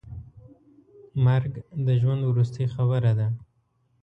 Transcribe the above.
مرګ د ژوند وروستۍ خبره ده.